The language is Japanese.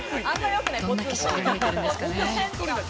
どんな景色が見えてるんですかね？